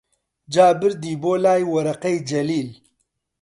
جا بردی بۆلای وەرەقەی جەلیل